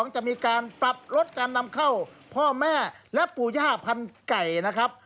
จะมีการปรับลดการนำเข้าพ่อแม่และปู่ย่าพันไก่นะครับ